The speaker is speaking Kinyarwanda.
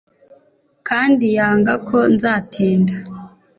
Kandi yanga ko nzatinda